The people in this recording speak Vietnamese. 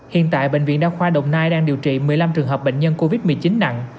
hiện tại bệnh viện đa khoa đồng nai đang điều trị một mươi năm trường hợp bệnh nhân covid một mươi chín nặng